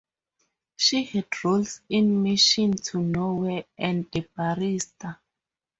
She had roles in "Mission to No Where" and "The Barrister".